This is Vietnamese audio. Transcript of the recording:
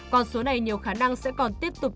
còn số này nhiều khả năng sẽ còn tiếp tục